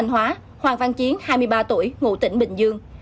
hoàng văn chiến